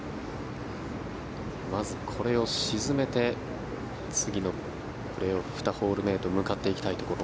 まずこれを沈めて次のプレーオフ２ホール目へと向かっていきたいところ。